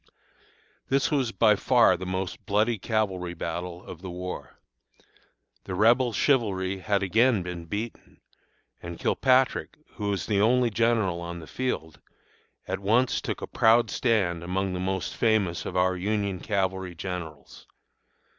"This was by far the most bloody cavalry battle of the war. The Rebel chivalry had again been beaten, and Kilpatrick, who was the only general on the field, at once took a proud stand among the most famous of our Union cavalry generals.